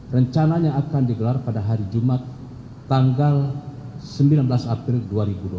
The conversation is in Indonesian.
rencananya akan digelar pada hari jumat tanggal sembilan belas april dua ribu dua puluh